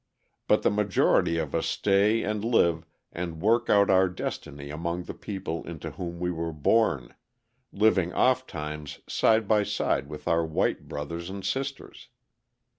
But the majority of us stay and live and work out our destiny among the people into whom we were born, living ofttimes side by side with our white brothers and sisters.